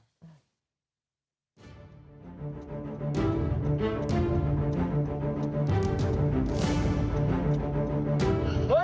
ไม่เหลือดิ